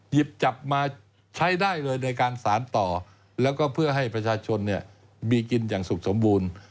หยิบจับมาใช้ได้เลยในการสารต่อแล้วก็เพื่อให้ประชาชนมีกินอย่างสุขสมบูรณ์